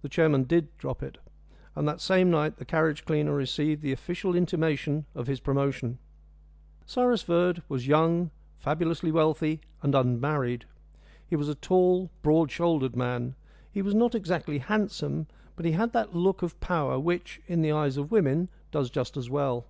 The chairman did drop it, and that same night the carriage cleaner received the official intimation of his promotion. Cyrus Verd was young, fabulously wealthy, and unmarried. He was a tall, broad shouldered man. He was not exactly handsome, but he had that look of power which, in the eyes of women, does just as well.